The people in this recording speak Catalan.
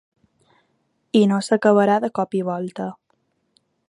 I no s’acabarà de cop i volta.